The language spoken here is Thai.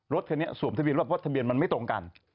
รถคนนี้สวมทะเบียนรถทะเบียนมันไม่ตรงกัน